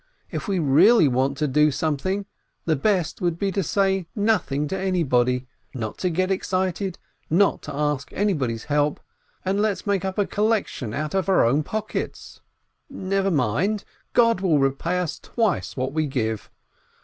If we really want to do something, the best would be to say nothing to any body, not to get excited, not to ask anybody's help, and let us make a collection out of our own pockets. Never mind! God will repay us twice what we give.